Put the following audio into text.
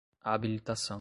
habilitação